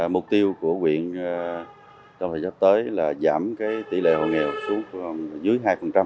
mục tiêu của quyền trong thời gian tới là giảm tỷ lệ hộ nghèo xuống dưới hai